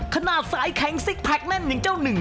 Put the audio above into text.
ขนาดสายแข็งซิกแพคเล่นอย่างเจ้าหนึ่ง